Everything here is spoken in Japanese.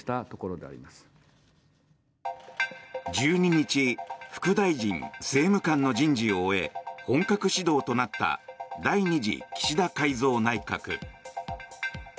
１２日副大臣・政務官の人事を終え本格始動となった第２次岸田改造内閣。